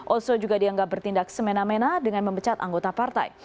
oso juga dianggap bertindak semena mena dengan memecat anggota partai